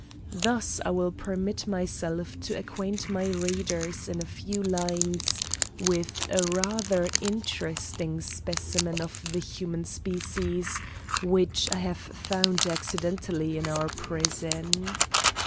Thus I will permit myself to acquaint my readers in a few lines with a rather interesting specimen of the human species which I have found accidentally in our prison.